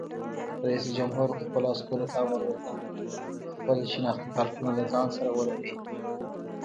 رئیس جمهور خپلو عسکرو ته امر وکړ؛ خپل شناختي کارتونه له ځان سره ولرئ!